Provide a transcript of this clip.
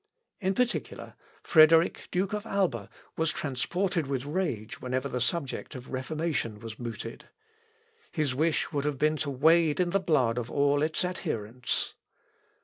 In particular, Frederick, Duke of Alba, was transported with rage whenever the subject of Reformation was mooted. His wish would have been to wade in the blood of all its adherents.